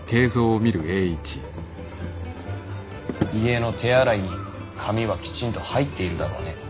家の手洗いに紙はきちんと入っているだろうね？